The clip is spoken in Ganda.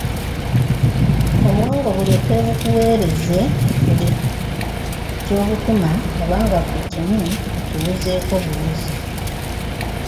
Obwongo bulyoke bukuweereze buli ky’obutuma oba nga buli kimu okiwuzeeko buwuzi .